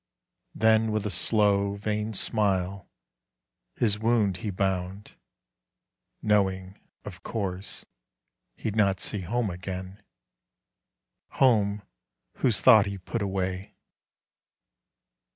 Then with a slow, vain smile his wound he bound, Knowing, of course, he'd not see home again Home whose thought he put away.